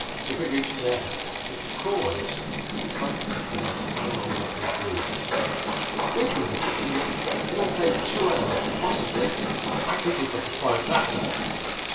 If it reached there, they could crawl out. He tried to estimate how long that would be. "We can make it, Tina. It'll take two hours, possibly, but I can keep us afloat that long."